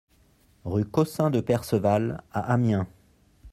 Rue Caussin De Perceval à Amiens